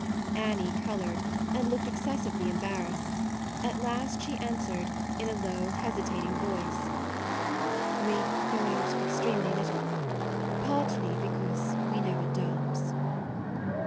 Annie coloured, and looked ex cessively embarrassed; at last she answered in a low, hesitating voice :" We go out extremely little, partly because we never dance."